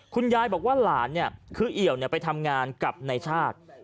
คุณยายบอกว่าหลานคือเอี่ยวไปทำงานกับนายชาติ